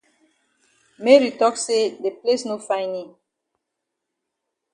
Mary tok say de place no fine yi.